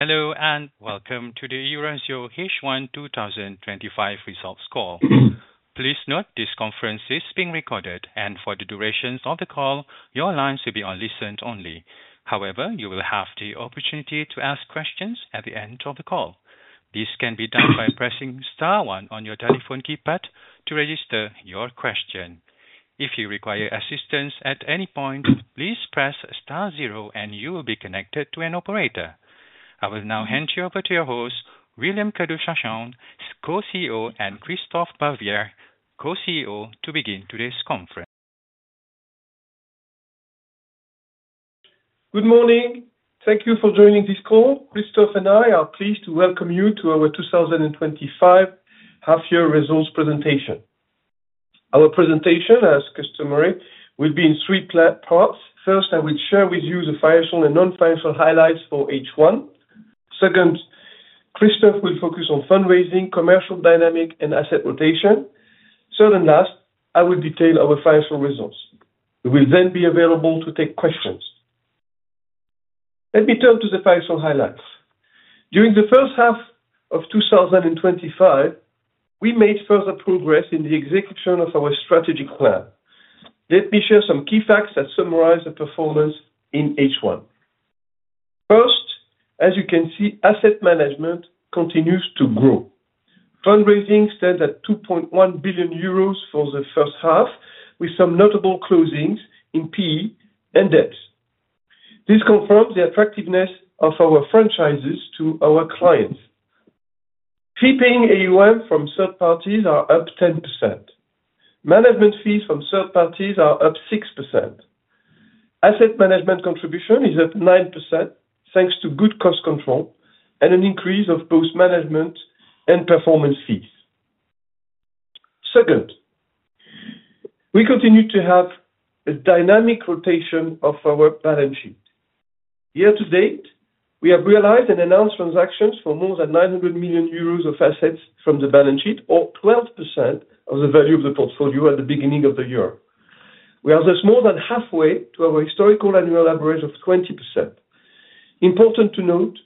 Hello, and welcome to the Eurasio H1 twenty twenty five Results Call. Please note this conference is being recorded. And for the durations of the call, your lines will be on listen only. However, you will have the opportunity to ask questions at the end of the call. I will now hand you over to your host, William Cadouche Chachon, Co CEO and Christophe Bavier, Co CEO, to begin today's conference. Good morning. Thank you for joining this call. Christophe and I are pleased to welcome you to our twenty twenty five Half Year Results Presentation. Our presentation as customary will be in three parts. First, I will share with you the financial and non financial highlights for H1. Second, Christophe will focus on fundraising, commercial dynamic and asset rotation. Third and last, I will detail our financial results. We will then be available to take questions. Let me turn to the financial highlights. During the first half of twenty twenty five, we made further progress in the execution of our strategic plan. Let me share some key facts that summarize the performance in H1. First, as you can see, asset management continues to grow. Fundraising stands at 2.1 billion euros for the first half with some notable closings in PE and DEPS. This confirms the attractiveness of our franchises to our clients. Fee paying AUM from third parties are up 10%. Management fees from third parties are up 6%. Asset management contribution is up 9%, thanks to good cost control and an increase of both management and performance fees. Second, we continue to have a dynamic rotation of our balance sheet. Year to date, we have realized and announced transactions for more than 900 million euros of assets from the balance sheet or 12% of the value of the portfolio at the beginning of the year. We are just more than halfway to our historical annual average of 20%. Important to note,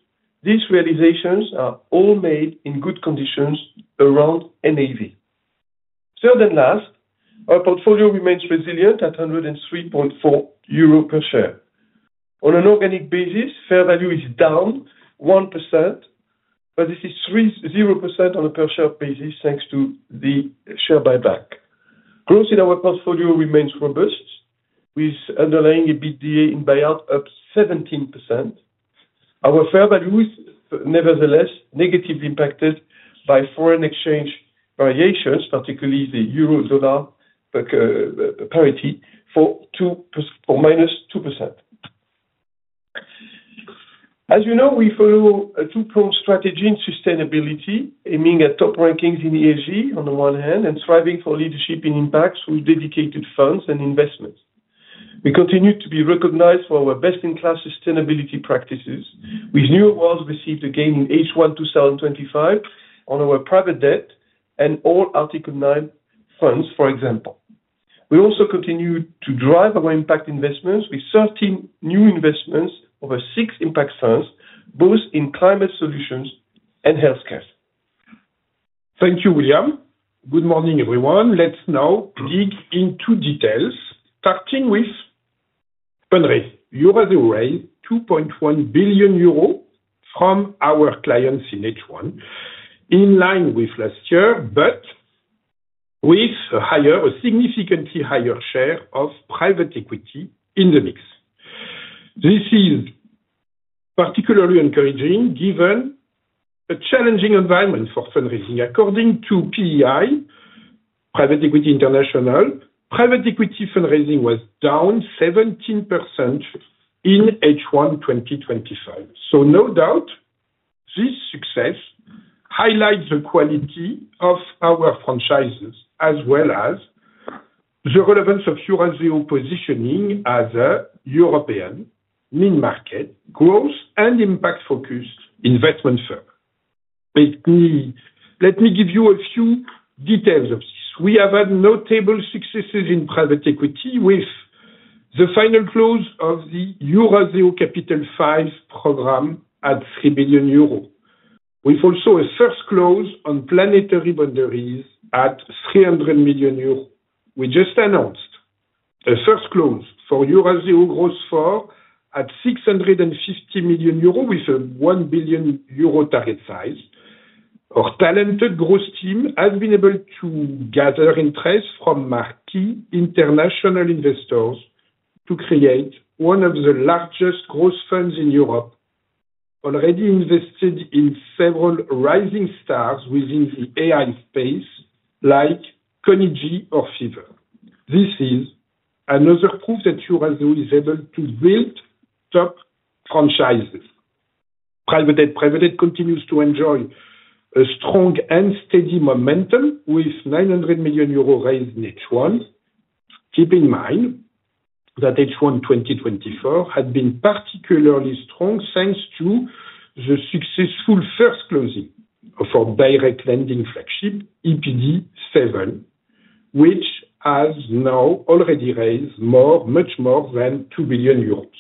these realizations are all made in good conditions around NAV. Third and last, our portfolio remains resilient at 103.4 euro per share. On an organic basis, fair value is down 1%, but this is 0% on a per share basis, thanks to the share buyback. Growth in our portfolio remains robust with underlying EBITDA in buyout up 17%. Our fair value is nevertheless negatively impacted by foreign exchange variations, particularly the euro dollar parity for minus 2%. As you know, we follow a two pronged strategy in sustainability aiming at top rankings in ESG on the one hand and striving for leadership in impacts with dedicated funds and investments. We continue to be recognized for our best in class sustainability practices with new awards received again in H1 twenty twenty five on our private debt and all Article nine funds for example. We also continued to drive our impact investments with 13 new investments over six impact funds, both in climate solutions and healthcare. Thank you, William. Good morning, everyone. Let's now dig into details, starting with Pendre, euros 2,100,000,000.0 from our clients in H1, in line with last year, but with a higher a significantly higher share of private equity in the mix. This is particularly encouraging given a challenging environment for fundraising. According to PEI, Private Equity International, private equity fundraising was down 17% in H1 twenty twenty five. So no doubt, this success highlights the quality of our franchises as well as the relevance of Eurasio positioning as a European, mid market, growth and impact focused investment firm. Basically, let me give you a few details of this. We have had notable successes in private equity with the final close of the EuroZero Capital V program at 3 billion euros. We've also a first close on planetary boundaries at €300,000,000 We just announced a first close for Eurozero growth for at €650,000,000 with a €1,000,000,000 target size. Our talented growth team has been able to gather interest from marquee international investors to create one of the largest growth funds in Europe, already invested in several rising stars within the AI space like Conegy or Fever. This is another proof that Eurozone is able to build top franchises. Private debt continues to enjoy a strong and steady momentum with 900 million euro raised in H1. Keep in mind that H1 twenty twenty four had been particularly strong, to the successful first closing of our direct lending flagship EPD seven, which has now already raised more much more than 2,000,000,000 euros.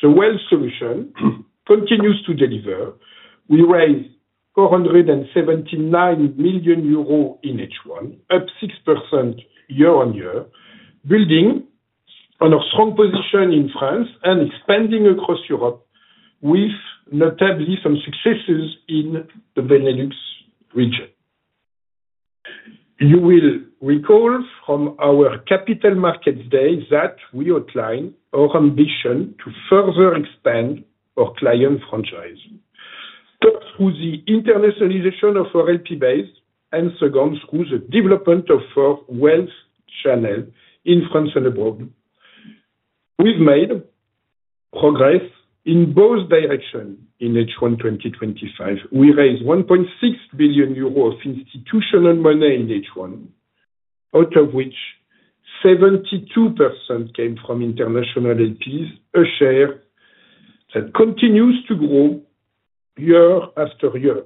So Wealth Solutions continues to deliver. We raised 479 million euros in H1, up 6% year on year, building on a strong position in France and expanding across Europe with notably some successes in the Benelux region. You will recall from our Capital Markets Day that we outlined our ambition to further expand our client franchise. First, with the internationalization of our LP base and second, through the development of our wealth channel in France and abroad, We've made progress in both directions in H1 twenty twenty five. We raised 1,600,000,000.0 euros of institutional money in H1, out of which 72% came from international LPs, a share that continues to grow year after year.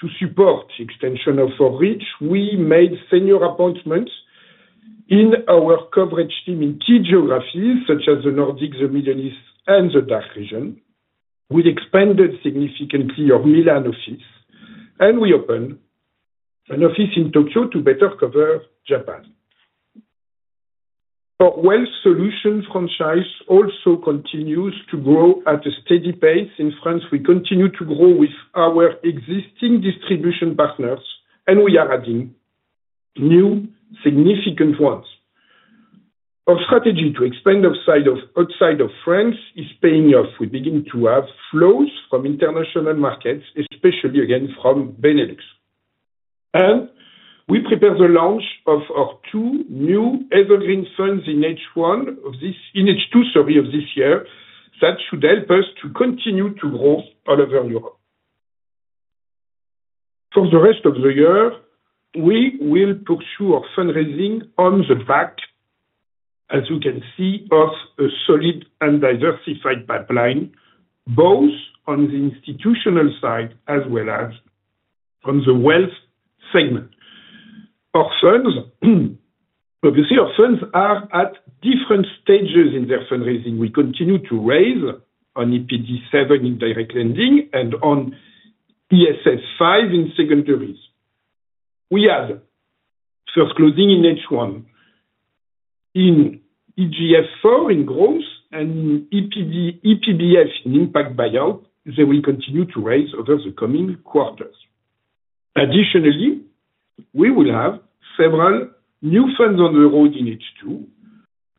To support extension of our reach, we made senior appointments in our coverage team in key geographies such as The Nordics, The Middle East and the DACH region. We expanded significantly our Milan office and we opened an office in Tokyo to better cover Japan. Our Wealth Solutions franchise also continues to grow at a steady pace. In France, we continue to grow with our existing distribution partners and we are adding new significant ones. Our strategy to expand outside of France is paying off. We begin to have flows from international markets, especially again from Benelux. And we prepared the launch of our two new Evergreen funds in this in H2 survey of this year that should help us to continue to grow all over Europe. For the rest of the year, we will pursue our fundraising on the back, as you can see, of a solid and diversified pipeline, both on the institutional side as well as on the wealth segment. Of course, obviously our funds are at different stages in their fundraising. We continue to raise on EPD seven in direct lending and on ESS five in secondaries. We had first closing in H1 in EGS4 in growth and EPDF in impact buyout that we continue to raise over the coming quarters. Additionally, we will have several new funds on the road in H2,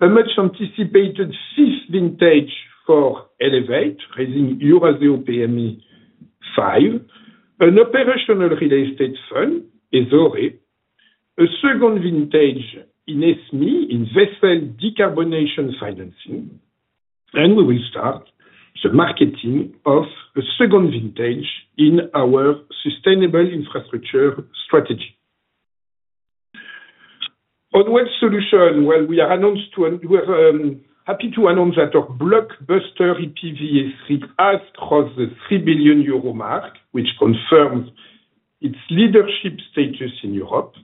a much anticipated fifth vintage for Elevate, raising Eurozone PME five, an operational related estate fund, ESORE, a second vintage in SME, investment decarbonization financing, and we will start the marketing of a second vintage in our sustainable infrastructure strategy. On web solution, well, we are happy to announce that our blockbuster ePV is €3,000,000,000 mark, which confirms its leadership status in Europe.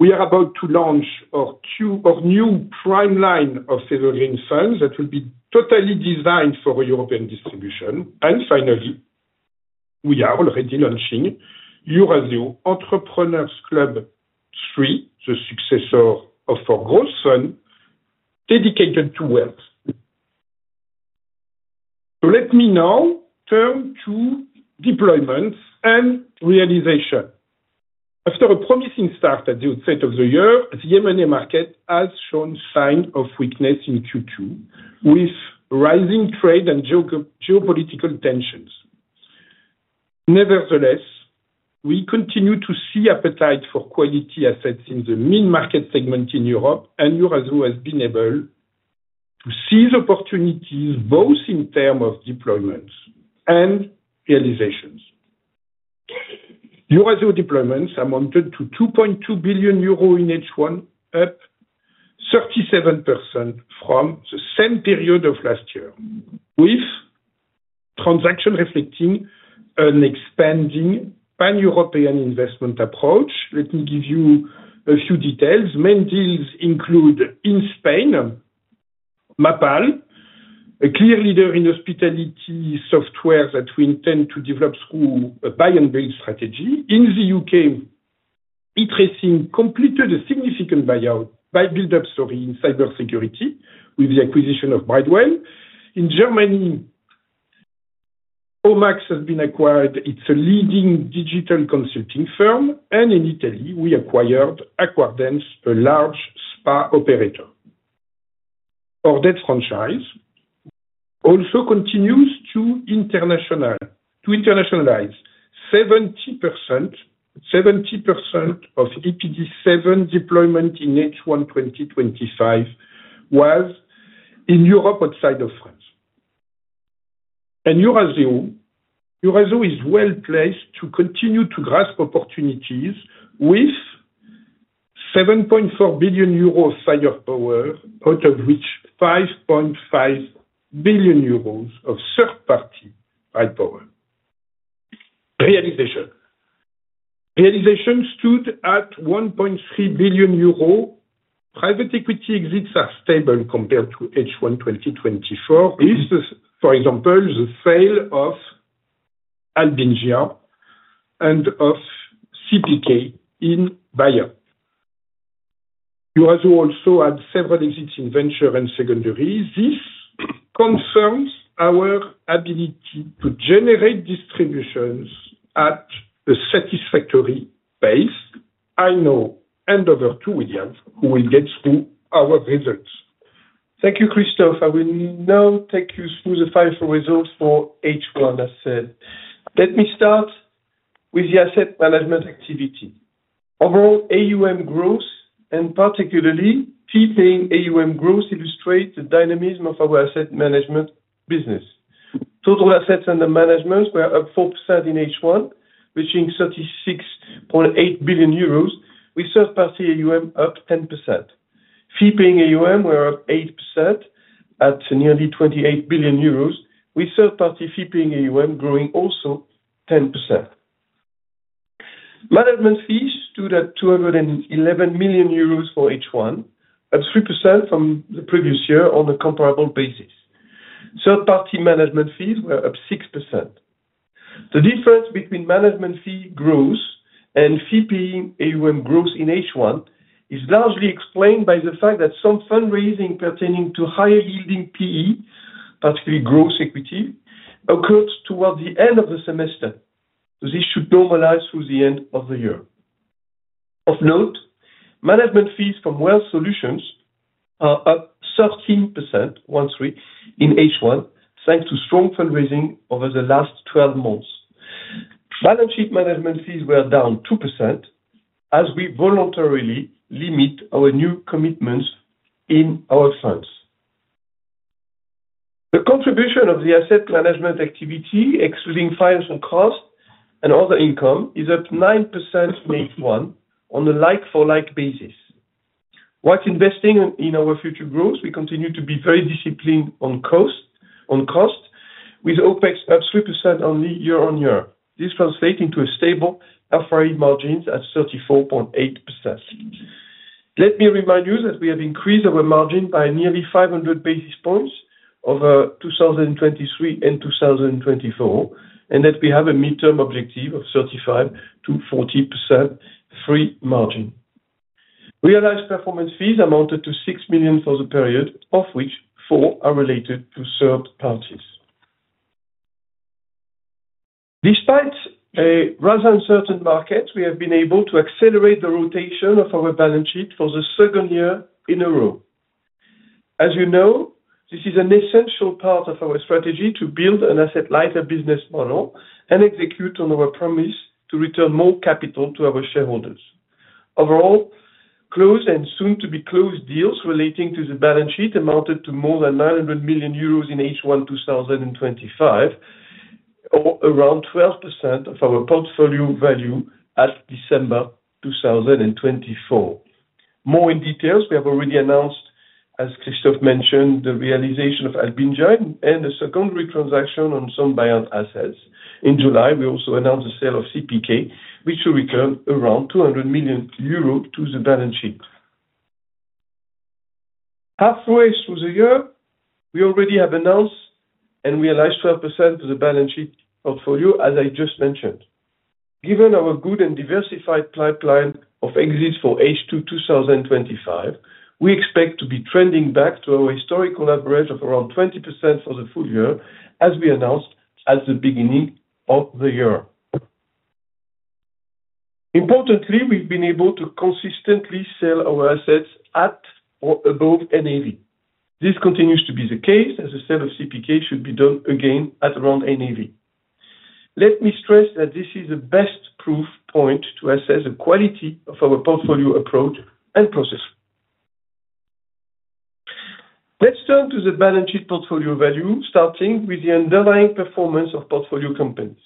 We are about to launch a new prime line of Sezorian funds that will be totally designed for European distribution. And finally, we are already launching Eurasieu Entrepreneurs Club three, the successor of our growth son dedicated to wealth. So let me now turn to deployments and realization. After a promising start at the outset of the year, the M and A market has shown signs of weakness in Q2 with rising trade and geopolitical tensions. Nevertheless, we continue to see appetite for quality assets in the mid market segment in Europe and Eurozo has been able to seize opportunities both in term of deployments and realizations. Eurozo deployments amounted to 2,200,000,000.0 euro in H1, up 37% from the same period of last year with transaction reflecting an expanding pan European investment approach. Let me give you a few details. Main deals include in Spain, Mapal, a clear leader in hospitality software that we intend to develop through a buy and build strategy. In The UK, Ichthyssen completed a significant buyout by build up story in cybersecurity with the acquisition of Brightwell. In Germany, Omax has been acquired. It's a leading digital consulting firm. And in Italy, we acquired Aquadence, a large spa operator. Our debt franchise also continues to internationalize 70% of EPD seven deployment in H1 twenty twenty five was in Europe outside of France. And Eurozo is well placed to continue to grasp opportunities with €7,400,000,000 cyber power out of which 5,500,000,000.0 euros of third party CyberPower. Realization. Realization stood at 1,300,000,000.0 euros. Private equity exits are stable compared to H1 twenty twenty four. This is, for example, the sale of Albania and of CPK in Bayer. You also have several exits in venture and secondary. This concerns our ability to generate distributions at a satisfactory pace, I now hand over to William who will get through our results. Thank you, Christophe. I will now take you through the financial results for H. Gland asset. Let me start with the asset management activity. Overall AUM growth and particularly, key paying AUM growth illustrates the dynamism of our asset management business. Total assets under management were up 4% in H1, reaching €36,800,000,000 with third party AUM up 10%. Fee paying AUM were up 8% at nearly €28,000,000,000 with third party fee paying AUM growing also 10%. Management fees stood at 211 million euros for H1, up 3% from the previous year on a comparable basis. Third party management fees were up 6%. The difference between management fee growth and fee PE AUM growth in H1 is largely explained by the fact that some fundraising pertaining to higher yielding PE, particularly gross equity, occurred towards the end of the semester. This should normalize through the end of the year. Of note, management fees from Wealth Solutions are up 13% in H1, thanks to strong fundraising over the last twelve months. Balance sheet management fees were down 2% as we voluntarily limit our new commitments in our funds. The contribution of the asset management activity excluding financial cost and other income, is up 9% from H1 on a like for like basis. Whilst investing in our future growth, we continue to be very disciplined on cost with OpEx up 3% only year on year. This translates into a stable operating margins at 34.8%. Let me remind you that we have increased our margin by nearly 500 basis points over 2023 and 2024 and that we have a mid term objective of 35 to 40 free margin. Realized performance fees amounted to $6,000,000 for the period of which four are related to third parties. Despite rather uncertain market, we have been able to accelerate the rotation of our balance sheet for the second year in a row. As you know, this is an essential part of our strategy to build an asset lighter business model and execute on our promise to return more capital to our shareholders. Overall, closed and soon to be closed deals relating to the balance sheet amounted to more than €900,000,000 in H1 twenty twenty five or around 12% of our portfolio value at December 2024. More in details, we have already announced, as Christophe mentioned, the realization of Alpinjane and the secondary transaction on some Bayern assets. In July, we also announced the sale of CPK, which will return around 200,000,000 euros to the balance sheet. Halfway through the year, we already have announced and realized 12% of the balance sheet portfolio as I just mentioned. Given our good and diversified pipeline of exits for H2 twenty twenty five, we expect to be trending back to our historical average of around 20% for the full year as we announced at the beginning of the year. Importantly, we've been able to consistently sell our assets at or above NAV. This continues to be the case as a sale of CPK should be done again at around NAV. Let me stress that this is the best proof point to assess the quality of our portfolio approach and process. Let's turn to the balance sheet portfolio value starting with the underlying performance of portfolio companies.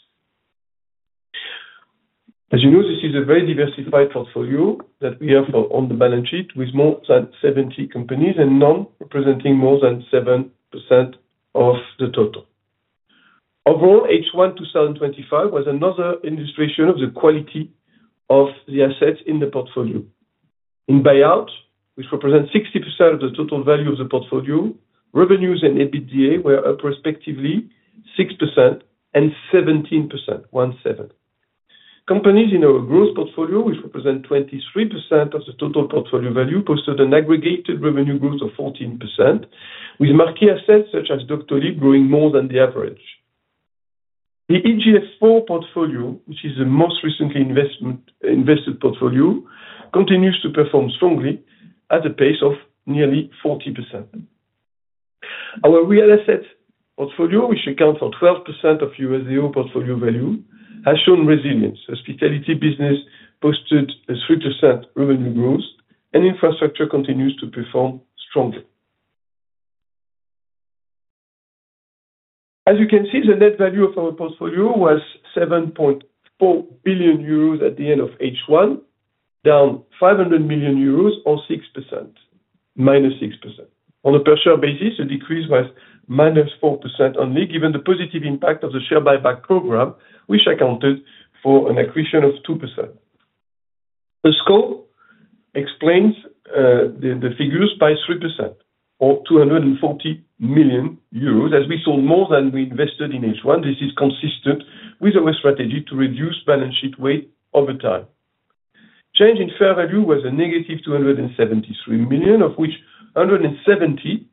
As you know, this is a very diversified portfolio that we have on the balance sheet with more than 70 companies and none representing more than 7% of the total. Overall, H1 twenty twenty five was another illustration of the quality of the assets in the portfolio. In buyouts, which represent 60% of the total value of the portfolio, revenues and EBITDA were up respectively 617%, one-seven. Companies in our growth portfolio, which represent 23% of the total portfolio value posted an aggregated revenue growth of 14% with marquee assets such as Doctor. Lip growing more than the average. The EGS4 portfolio, which is the most recently invested portfolio, continues to perform strongly at a pace of nearly 40%. Our real assets portfolio, which accounts for 12% of U. Zero portfolio value, has shown resilience. Hospitality business posted a 3% revenue growth and infrastructure continues to perform strongly. As you can see, the net value of our portfolio was 7.4 billion euros at the end of H1, down €500,000,000 or 6% minus 6%. On a per share basis, the decrease was minus 4% only given the positive impact of the share buyback program, which accounted for an accretion of 2%. The scope explains the figures by 3% or €240,000,000 as we sold more than we invested in H1. This is consistent with our strategy to reduce balance sheet weight over time. Change in fair value was a negative $273,000,000 of which $170,000,000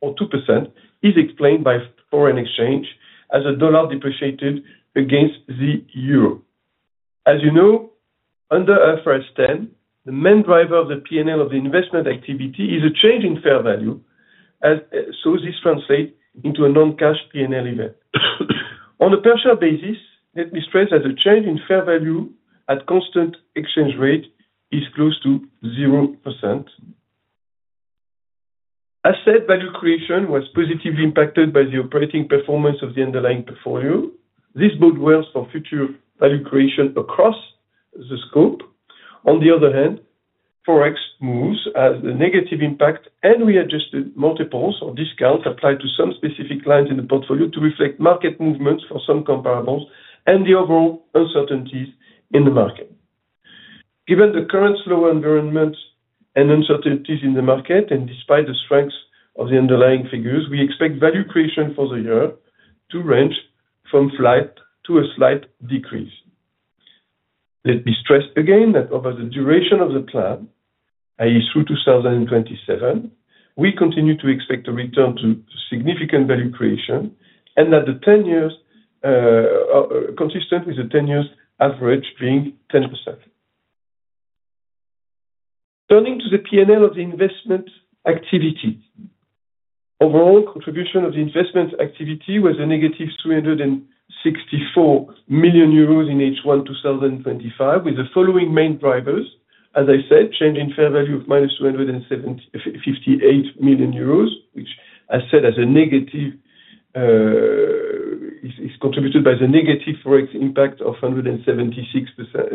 or 2% is explained by foreign exchange as a dollar depreciated against the euro. As you know, under IFRS 10, the main driver of the P and L of the investment activity is a change in fair value, so this translates into a non cash P and L event. On a per share basis, let me stress that the change in fair value at constant exchange rate is close to 0%. Asset value creation was positively impacted by the operating performance of the underlying portfolio. This bodes well for future value creation across the scope. On the other hand, Forex moves as the negative impact and we adjusted multiples of discounts applied to some specific lines in the portfolio to reflect market movements for some comparables and the overall uncertainties in the market. Given the current slow environment and uncertainties in the market and despite the strength of the underlying figures, we expect value creation for the year to range from flat to a slight decrease. Let me stress again that over the duration of the plan, I. Through 2027, we continue to expect a return to significant value creation and that the ten years consistent with the ten years average being 10%. Turning to the P and L of the investment activity. Overall, of the investment activity was a negative €364,000,000 in H1 twenty twenty five with the following main drivers. As I said, change in fair value of minus €258,000,000 which I said as a negative is contributed by the negative ForEx impact of 176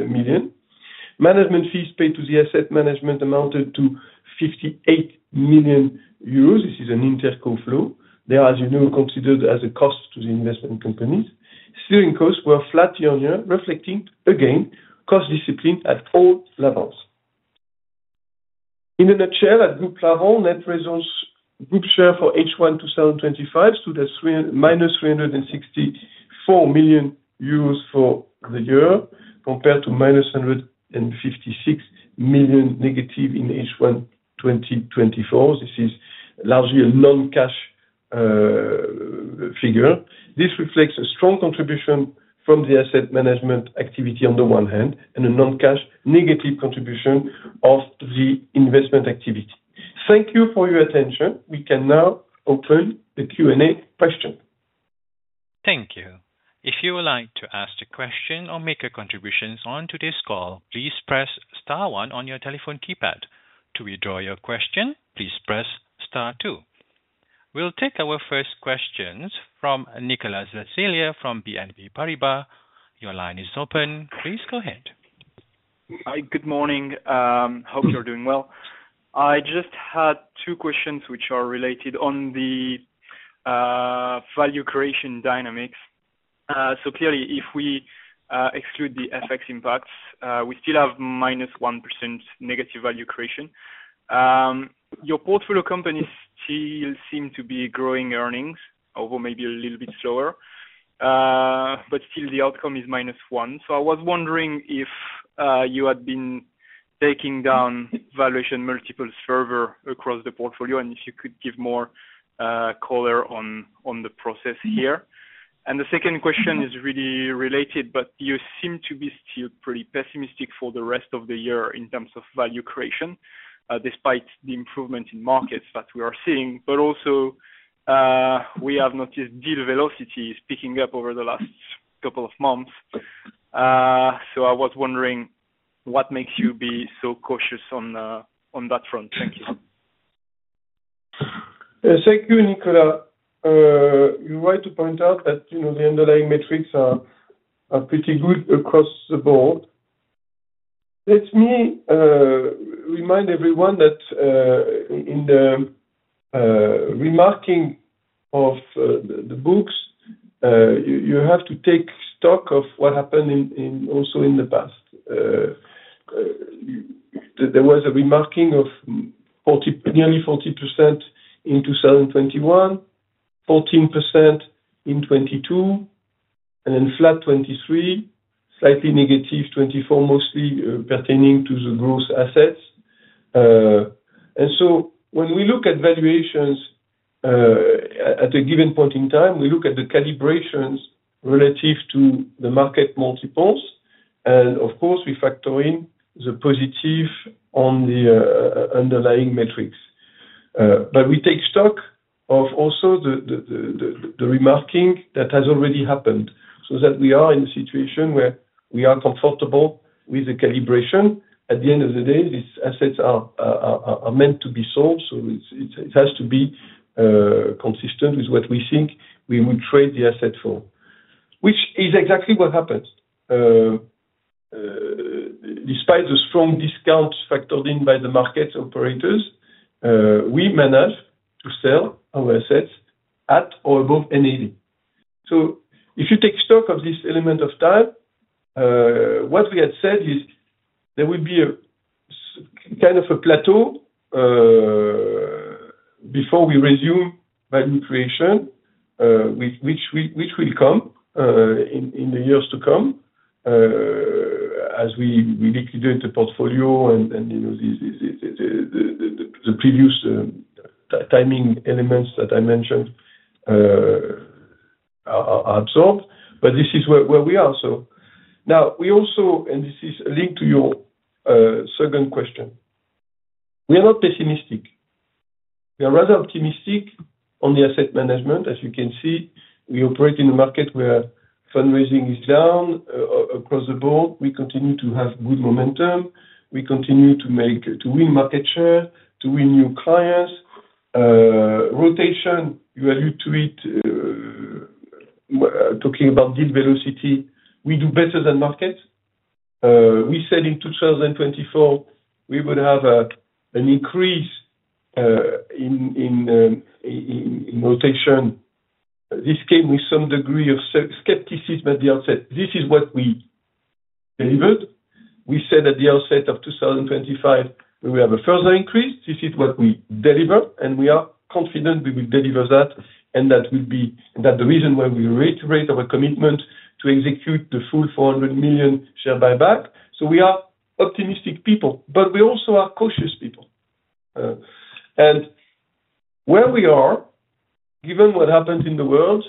million. Management fees paid to the asset management amounted to 58 million euros. This is an interest cash flow. They are as you know considered as a cost to the investment companies. Selling costs were flat year on year reflecting again cost discipline at all levels. In a nutshell, at Group level, net present group share for H1 twenty twenty five stood at minus EUR $364,000,000 for the year compared to minus 156,000,000 negative in H1 twenty twenty four. This is largely a non cash figure. This reflects a strong contribution from the asset management activity on the one hand and a non cash negative contribution of the investment activity. Thank you for your attention. We can now open the Q and A question. Thank We'll take our first questions from Nicolas Zasselia from BNP Paribas. Your line is open. Please go ahead. Hi, good morning. Hope you're doing well. I just had two questions, which are related on the value creation dynamics. So clearly, if we exclude the FX impacts, we still have minus 1% negative value creation. Your portfolio companies still seem to be growing earnings, although maybe a little bit slower. But still, the outcome is minus 1%. So I was wondering if you had been taking down valuation multiple server across the portfolio and if you could give more color on the process here. And the second question is really related, but you seem to be still pretty pessimistic for the rest of the year in terms of value creation despite the improvement in markets that we are seeing. But also, we have noticed deal velocities picking up over the last couple of months. So I was wondering what makes you be so cautious on that front. Thank you. Thank you, Nicolas. You're right to point out that the underlying metrics are pretty good across the board. Let me remind everyone that in the remarking of the books, you have to take stock of what happened also in the past. There was a remarking of nearly 40% in 2021, 14% in 2022 and then flat 2023, slightly negative 2024 mostly pertaining to the growth assets. And so when we look at valuations at a given point in time, we look at the calibrations relative to the market multiples. And of course, we factor in the positive on the underlying metrics. But we take stock of also the remarking that has already happened, so that we are in a situation where we are comfortable with the calibration. At the end of the day, these assets are meant to be sold, so it has to be consistent with what we think we would trade the asset for, which is exactly what happens. Despite the strong discounts factored in by the market operators, we managed to sell our assets at or above NAV. So if you take stock of this element of time, what we have said is there will be kind of a plateau before we resume value creation, which will come in the years to come as we liquidate the portfolio and the previous timing elements that I mentioned are absorbed. But this is where we are. Now we also and this is linked to your second question. We are not pessimistic. We are rather optimistic on the asset management. As you can see, we operate in a market where fundraising is down across the board. We continue to have good momentum. We continue to make to win market share, to win new clients. Rotation, you alluded to it talking about deal velocity, we do better than market. We said in 2024 we would have an increase in rotation. This came with some degree of skepticism at the outset. This is what we delivered. We said at the outset of 2025 we will have a further increase. This is what we delivered and we are confident we will deliver that and that will be and that's the reason why we reiterate our commitment to execute the full 400,000,000 share buyback. So we are optimistic people, but we also are cautious people. And where we are, given what happens in the world,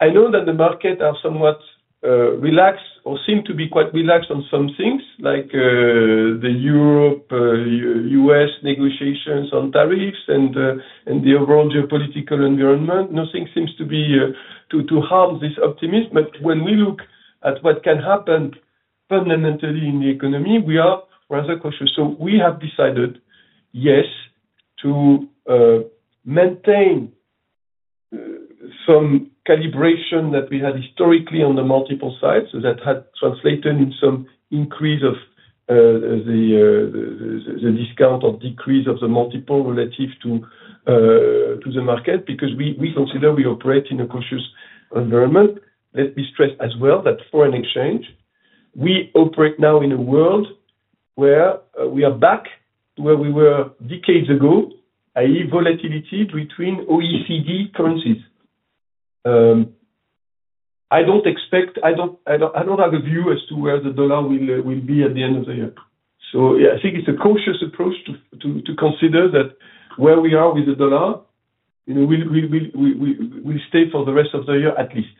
I know that the market are somewhat relaxed or seem to be quite relaxed on some things like the Europe, U. S. Negotiations on tariffs and the overall geopolitical environment. Nothing seems to be to harm this optimism. But when we look at what can happen permanently in the economy, we are rather cautious. So we have decided, yes, to maintain some calibration that we had historically on the multiple sites. So that had translated in some increase of the discount or decrease of the multiple relative to the market because we consider we operate in a cautious environment. Let me stress as well that foreign exchange, we operate now in a world where we are back where we were decades ago, I. E. Volatility between OECD currencies. I don't expect I don't have a view as to where the dollar will be at the end of the year. So, I think it's a cautious approach to consider that where we are with the dollar will stay for the rest of the year at least.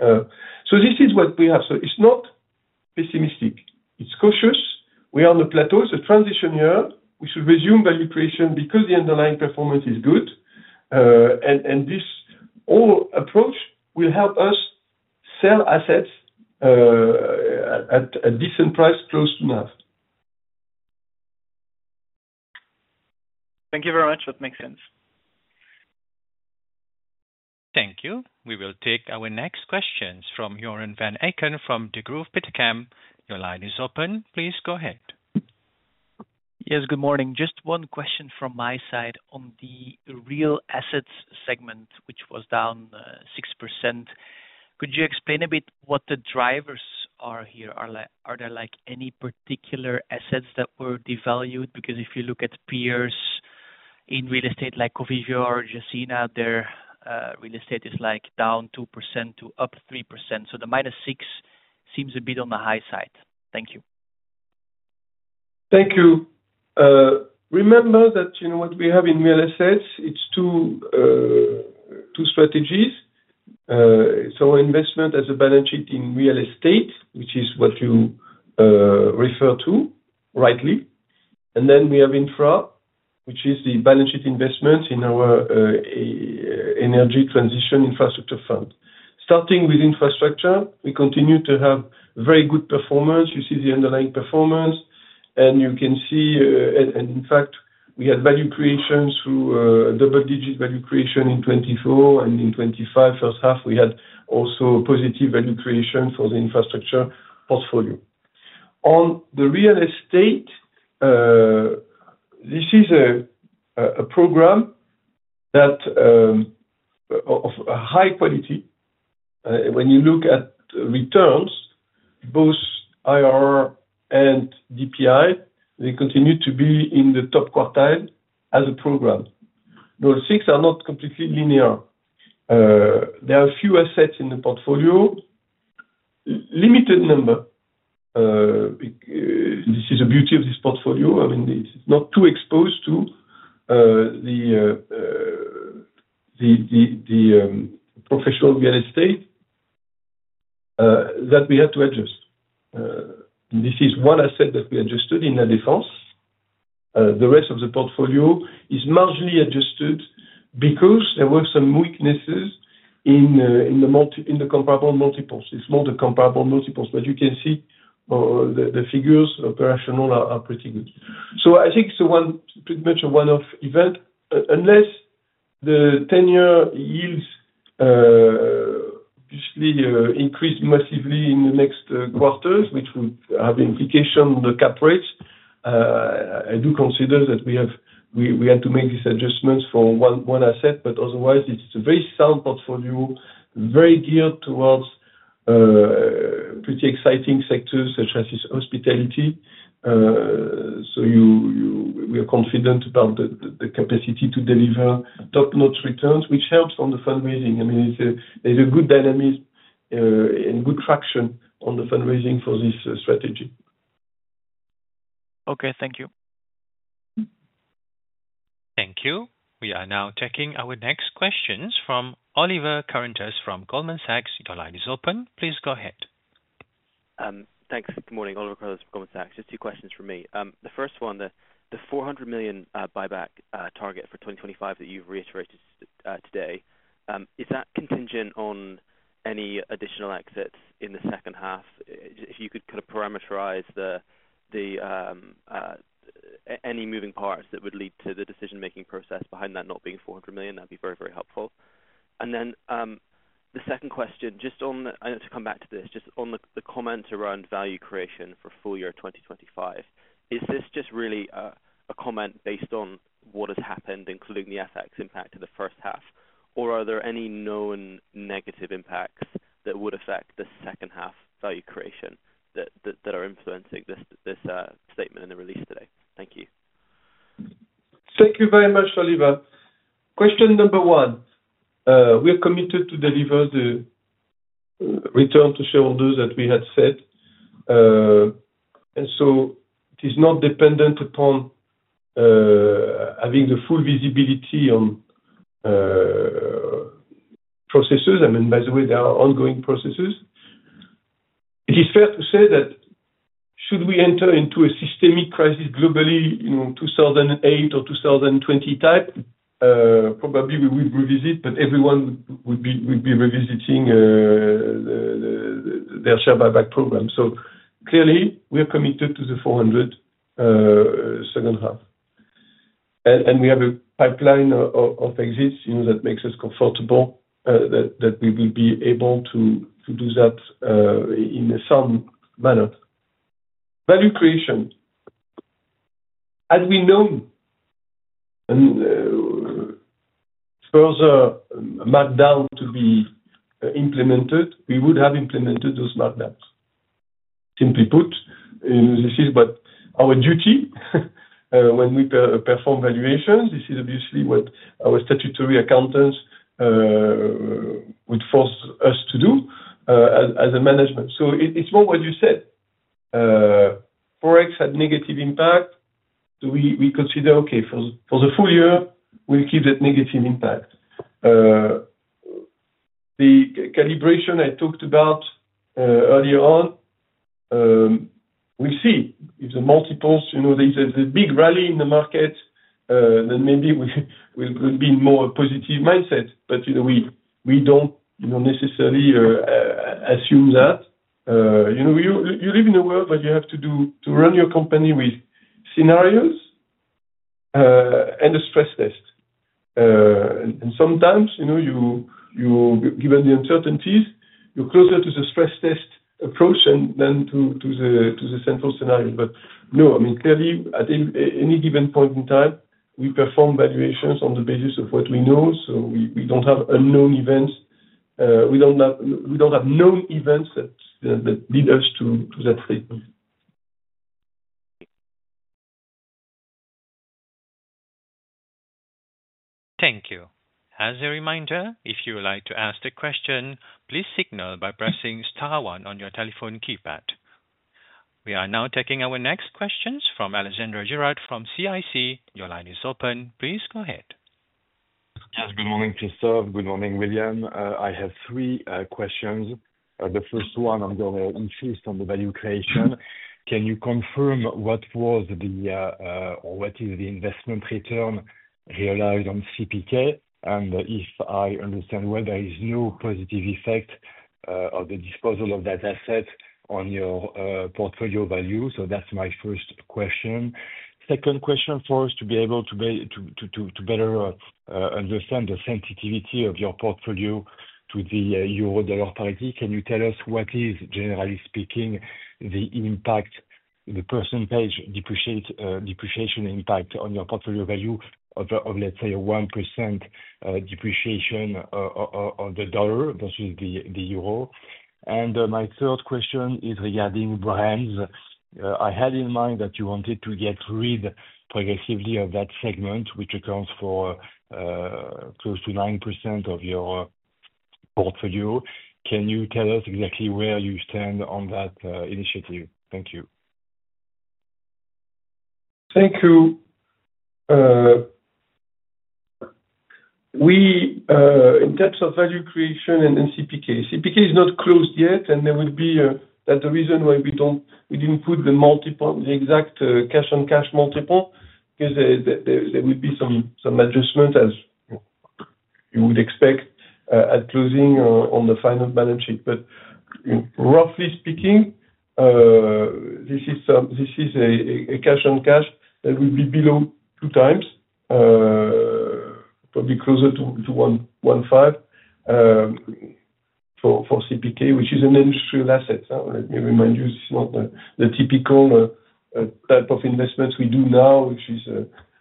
So this is what we have. So it's not pessimistic. It's cautious. We are on the plateau. It's a transition year. We should resume value creation because the underlying performance is good. This whole approach will help us sell assets at a decent price close to NAV. Thank you very much. That makes sense. Thank you. We will take our next questions from Jorn van Aken from Degroof Petercam. Your line is open. Please go ahead. Yes, good morning. Just one question from my side on the real assets segment, which was down 6%. Could you explain a bit what the drivers are here? Are there like any particular assets that were devalued? Because if you look at peers in real estate like Covigio or Justina, their real estate is like down 2% to up 3%. So the minus six seems a bit on the high side. Thank you. Thank you. Remember that what we have in real estate, it's two strategies. So investment as a balance sheet in real estate, which is what you refer to rightly. And then we have infra, which is the balance sheet investments in our energy transition infrastructure fund. Starting with infrastructure, we continue to have very good performance. You see the underlying performance. And you can see and in fact, we had value creations through double digit value creation in 2024. And in 2025, first half, we had also positive value creation for the infrastructure portfolio. On the real estate, this is a program of high quality. When you look at returns, both IRR and DPI, they continue to be in the top quartile as a program. Those six are not completely linear. There are few assets in the portfolio, limited number. This is the beauty of this portfolio. I mean, it's not too exposed to professional real estate that we had to adjust. This is one asset that we adjusted in La Defense. The rest of the portfolio is marginally adjusted because there were some weaknesses in comparable multiples. It's not the comparable multiples, but you can see the figures operational are pretty good. So I think it's a one off event. Unless the ten year yields obviously increase massively in the next quarters, which will have implication on the cap rates, I do consider that we have to make these adjustments for one asset, but otherwise it's a very sound portfolio, very geared towards pretty exciting sectors such as hospitality. So, we are confident about the capacity to deliver top notch returns, which helps on the fundraising. I mean, it's a good dynamic and good traction on the fundraising for this strategy. Okay. Thank you. Thank you. We are now taking our next questions from Oliver Carrentas from Goldman Sachs. Your line is open. Please go ahead. Thanks. Good morning. Oliver Carrentas from Goldman Sachs. Just two questions for me. The first one, the $400,000,000 buyback target for 2025 that you've reiterated today, is that contingent on any additional exits in the second half? If you could kind of parameterize the any moving parts that would lead to the decision making process behind that not being €400,000,000 that would be very, very helpful. And then the second question, just on and to come back to this, just on the comment around value creation for full year 2025. Is this just really a comment based on what has happened, including the FX impact to the first half? Or are there any known negative impacts that would affect the second half value creation that are influencing this statement in the release today? Thank you. Thank you very much, Oliver. Question number one, we are committed to deliver the return to shareholders that we had said. And so it is not dependent upon having the full visibility on processes. I mean, by the way, there are ongoing processes. It is fair to say that should we enter into a systemic crisis globally in 2,008 or 2020 type, probably we will revisit, but everyone would be revisiting their share buyback program. So clearly, we are committed to the €400,000,000 second half. And we have a pipeline of exits that makes us comfortable that we will be able to do that in some manner. Value creation, as we know further markdown to be implemented, we would have implemented those markdowns. Simply put, this is our duty when we perform valuations. This is obviously what our statutory accountants would force us to do as a management. So it's what you said. Forex had negative impact, so we consider okay, for the full year we'll keep that negative impact. The calibration I talked about earlier on, we see. If the multiples, there's a big rally in the market, then maybe we'll be more positive mindset. But we don't necessarily assume that. You live in a world where you have to do to run your company with scenarios and a stress test. And sometimes, given the uncertainties, you're closer to the stress test approach than to the central scenario. But no, I mean clearly at any given point in time, we perform valuations on the basis of what we know. So, we don't have unknown events. We don't have known events that lead us to that treatment. Thank you. We are now taking our next questions from Alessandro Girard from CIC. Your line is open. Please go ahead. Yes. Good morning, Christophe. Good morning, William. I have three questions. The first one on your interest on the value creation. Can you confirm what was the or what is the investment return realized on CPK? And if I understand where there is no positive effect of the disposal of that asset on your portfolio value? So that's my first question. Second question for us to be able to better understand the sensitivity of your portfolio to the euro dollar parity, can you tell us what is, generally speaking, the impact the percentage depreciation impact on your portfolio value of, let's say, a 1% depreciation on the dollar versus the euro? And my third question is regarding Brands. I had in mind that you wanted to get rid progressively of that segment, which accounts for close to 9% of your portfolio. Can you tell us exactly where you stand on that initiative? Thank you. Thank you. We in terms of value creation and CPK, CPK is not closed yet and there would be that's the reason why we don't we didn't put the multiple the exact cash on cash multiple is that there would be some adjustment as you would expect at closing on the final balance sheet. But roughly speaking, this is a cash on cash that will be below two times, probably closer to 1.5 times for CPK, which is an industrial asset. Let me remind you, it's not the typical type of investments we do now, which is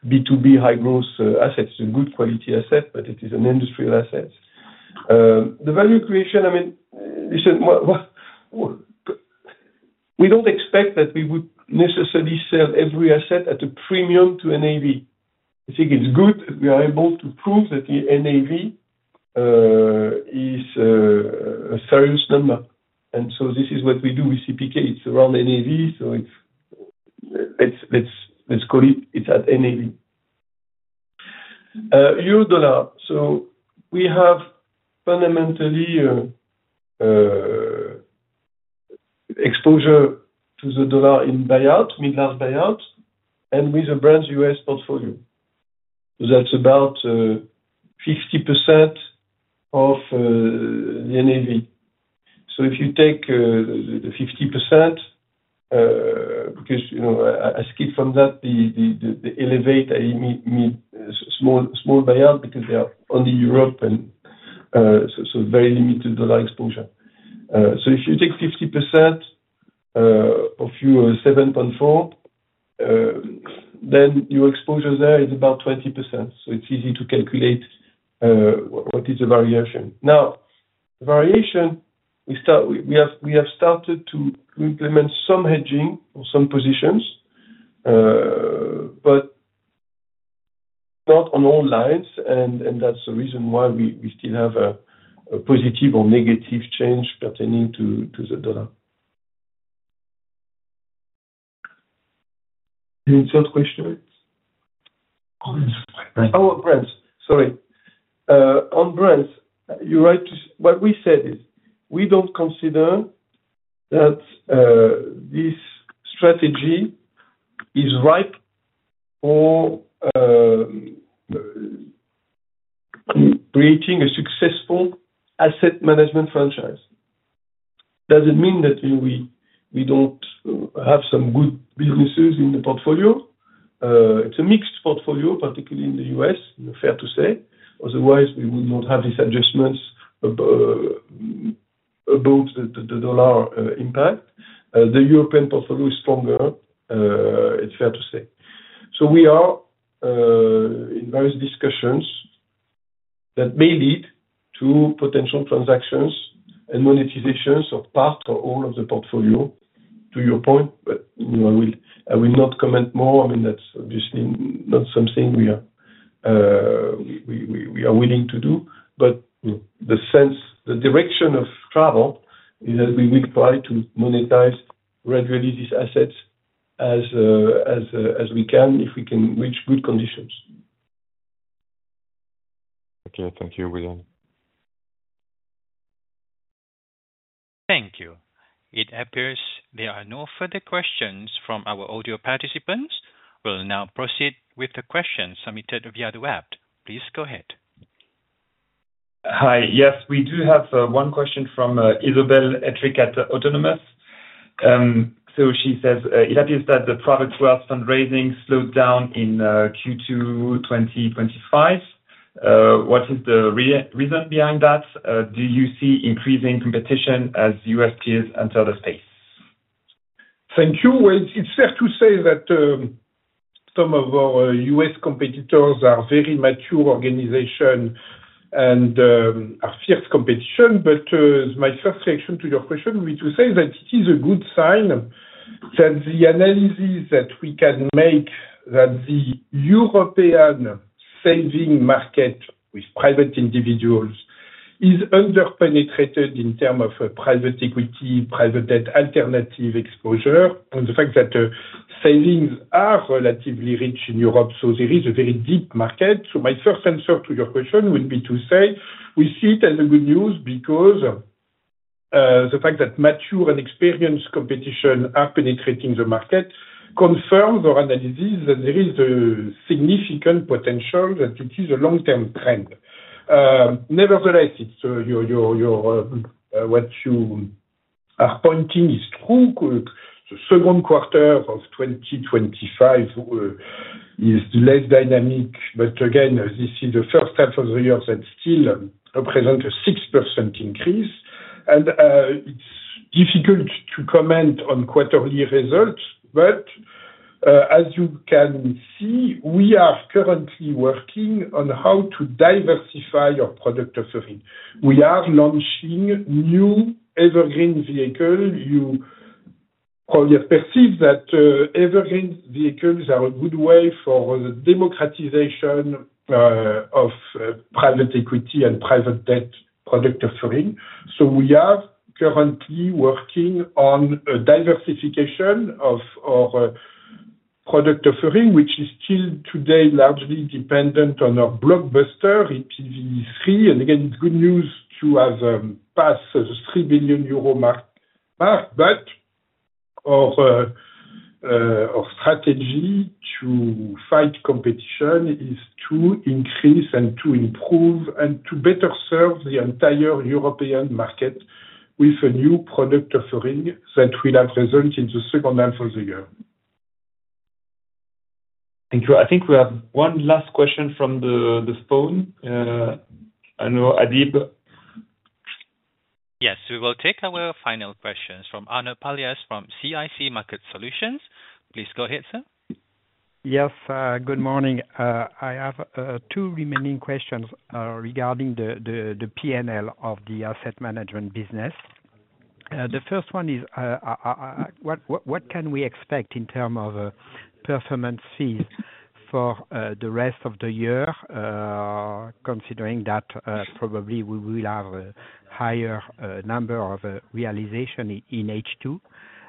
B2B high growth assets, a good quality asset, but it is an industrial asset. The value creation, I mean, we don't expect that we would necessarily sell every asset at a premium to NAV. I think it's good that we are able to prove that the NAV is serious number. And so this is what we do with CPK, it's around NAV, so it's let's call it NAV. Eurodollar, so we have fundamentally exposure to the dollar in mid class buyouts and with the brand's U. S. Portfolio. That's about 50% of the NAV. So if you take the 50%, because I skip from that the Elevate small buyout because they are only Europe and so very limited dollar exposure. So if you take 50% of your 7.4%, then your exposure there is about 20%. So it's easy to calculate what is the variation. Now, the variation we have started to implement some hedging on some positions, but not on all lines and that's the reason why we still have a positive or negative change pertaining to the data. Any third question? On brands, you're right. What we said is we don't consider that this strategy is ripe for creating a successful asset management franchise. It doesn't mean that we don't have some good businesses in the portfolio. It's a mixed portfolio, particularly in The U. S. Fair to say. Otherwise, we will not have these adjustments above the dollar impact. The European portfolio is stronger, it's fair to say. So we are in various discussions that may lead to potential transactions and monetizations of part or all of the portfolio to your point. But I will not comment more. I mean that's obviously not something we are willing to do. But the sense the direction of travel is that we will try to monetize rare disease assets as we can, if we can reach good conditions. Okay. Thank you, William. Thank you. It appears there are no further questions from our audio participants. We'll now proceed with the questions submitted via the web. Please go ahead. Hi. Yes, we do have one question from Isabel Etrick at Autonomous. So she says, it appears that the product wealth fundraising slowed down in Q2 twenty twenty five. What is the reason behind that? Do you see increasing competition as U. Peers enter the space? Thank you. Well, it's fair to say that some of our U. S. Competitors are very mature organization and fierce competition. But my first reaction to your question, which we say that it is a good sign that the analysis that we can make that the European saving market with private individuals is under penetrated in terms of private equity, private debt, alternative exposure and the fact that savings are relatively rich in Europe. So there is a very deep market. So my first answer to your question will be to say we see it as the good news because the fact that mature and experienced competition are penetrating the market confirms our analysis that there is a significant potential that it is a long term trend. Nevertheless, it's what you are pointing is to the 2025 is less dynamic. But again, this is the first half of the year that still represents a 6% increase. And it's difficult to comment on quarterly results. But as you can see, we are currently working on how to diversify our product offering. We are launching new Evergreen vehicles. You perceive that Evergreen vehicles are a good way for democratization of private equity and private debt product offering. So we are currently working on diversification of product offering, which is still today largely dependent on our blockbuster in PV3. And again, it's good news to have passed the €3,000,000,000 mark, but our strategy to fight competition is to increase and to improve and to better serve the entire European market with a new product offering that will have results in the second half of the year. Thank you. I think we have one last question from the phone. I know, Adib? Yes. We will take our final questions from Anupallias from CIC Market Solutions. Please go ahead, Yes. Good morning. I have two remaining questions regarding the P and L of the Asset Management business. The first one is what can we expect in term of performance fees for the rest of the year, considering that probably we will have higher number of realization in H2.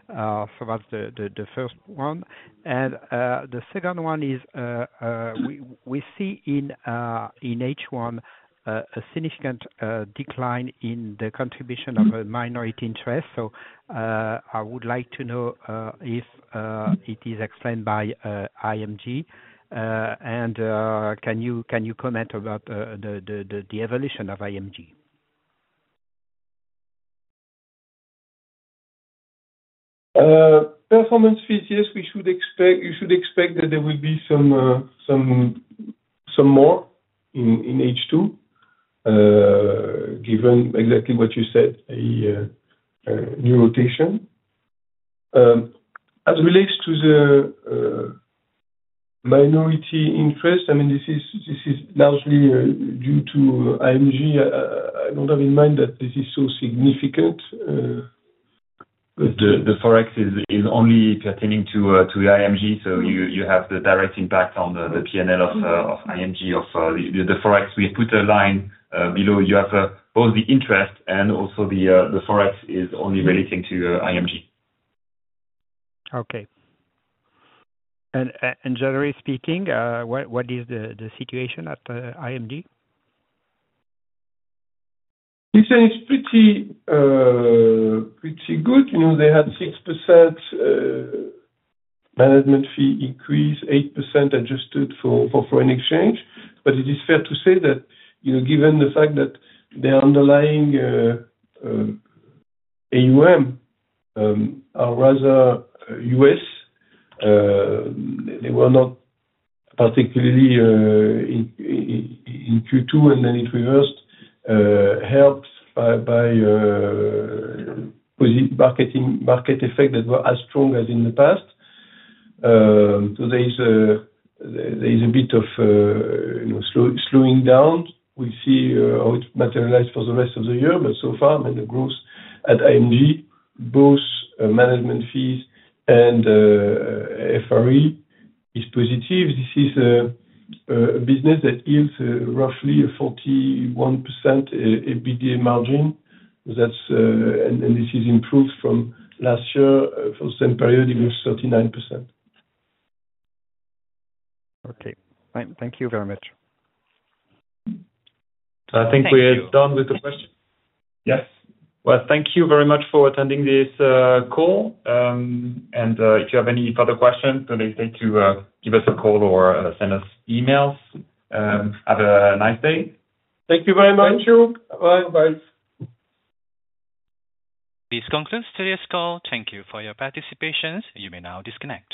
So that's the first one. And the second one is we see in H1 a significant decline in the contribution of a minority interest. So I would like to know if it is explained by IMG and can you comment about the evolution of IMG? Performance fees, yes, we should expect you should expect that there will be some more in H2 given exactly what you said, a new rotation. As it relates to the minority interest, I mean this is largely due to IMG, I don't have in mind that this is so significant. The ForEx is only pertaining to IMG. So you have the direct impact on the P and L of IMG. ForEx we put a line below you have both the interest and also the Forex is only relating to IMG. Okay. And generally speaking, what is the situation at IMG? It's pretty good. They had 6% management fee increase, 8% adjusted for foreign exchange. But it is fair to say that given the fact that the underlying AUM are rather U. S, they were not particularly in Q2 and then it reversed helped by the market effect that were as strong as in the past. So there is a bit of slowing down. We see how it's materialized for the rest of the year, but so far the growth at IMG, both management fees and FRE is positive. This is a business that yields roughly 41% EBITDA margin and this is improved from last year for the same period it was 39%. Okay, thank you very much. Think Yes. We are done with the Well, thank you very much for attending this call. And if you have any further questions feel free to give us a call or send us e mails. Have a nice day. Thank you very much. Thank you. Bye. This concludes today's call. Thank you for your participation. You may now disconnect.